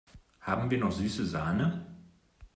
Haben wir noch süße Sahne?